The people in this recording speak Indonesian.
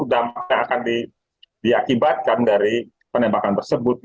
dampak yang akan diakibatkan dari penembakan tersebut